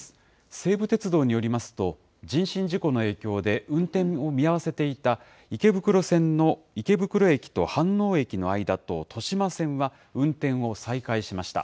西武鉄道によりますと、人身事故の影響で運転を見合わせていた池袋線の池袋駅と飯能駅の間と豊島線は運転を再開しました。